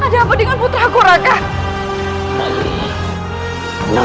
ada apa dengan putraku raka